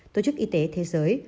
tổ chức y tế thế giới